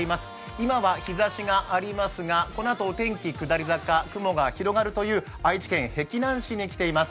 今は日ざしがありますが、このあとお天気下り坂、雲が広がるという愛知県碧南市に来ています。